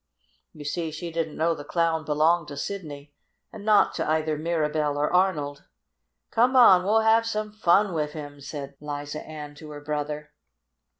You see she didn't know the Clown belonged to Sidney, and not to either Mirabell or Arnold. "Come on, we'll have some fun wif him!" said Liza Ann to her brother.